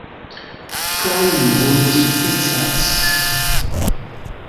Kaj nun sufiĉas.